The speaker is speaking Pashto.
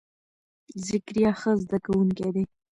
ذکریا ښه زده کونکی دی.